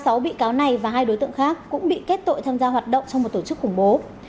ngoài ra sáu bị cáo này và hai đối tượng khác cũng bị kết tội tham gia hoạt động trong một tổ chức khủng bố